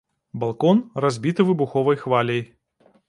Балкон, разбіты выбуховай хваляй.